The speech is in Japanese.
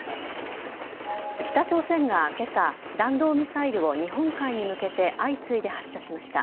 北朝鮮が今朝弾道ミサイルを日本海に向けて相次いで発射しました。